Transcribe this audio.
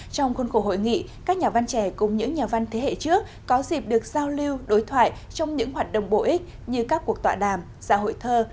trong khuôn khổ hội nghị các nhà văn trẻ cùng những nhà văn thế hệ trước có dịp được giao lưu đối thoại trong những hoạt động bổ ích như các cuộc tọa đàm dạ hội thơ